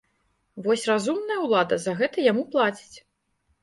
Вось разумная ўлада за гэта яму плаціць!